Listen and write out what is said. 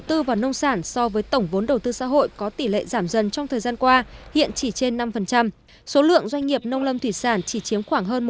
tỷ trọng doanh nghiệp nông lâm thủy sản có số lượng doanh nghiệp nông lâm thủy sản chỉ chiếm khoảng hơn một